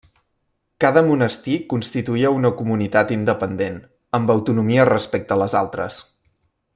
Cada monestir constituïa una comunitat independent, amb autonomia respecte a les altres.